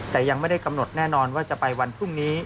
แต่ยังไม่ได้กำหนดแน่นอนว่าจะไปวันพรุ่งนี้